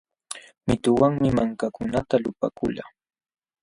Mituwanmi mankakunata lupaakulqa.